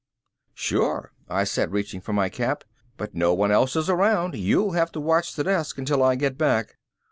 "Sure," I said reaching for my cap. "But no one else is around, you'll have to watch the desk until I get back."